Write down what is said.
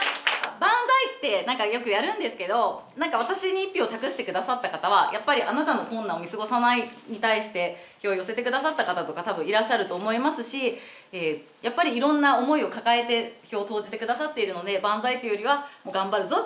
万歳って何かよくやるんですけど何か私に一票託してくださった方はやっぱり「あなたの困難を見過ごさない」に対して票を寄せてくださった方とかたぶんいらっしゃると思いますしやっぱりいろんな思いを抱えて票を投じてくださっているので万歳というよりは頑張るぞということで。